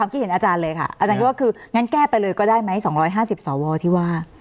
อาจารย์ก็คิดว่าคืองั้นแก้ไปเลยก็ได้ไหม๒๕๐สวที่ว่า